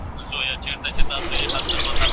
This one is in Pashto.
ښه هوا د انسان په روغتيا اغېز لري.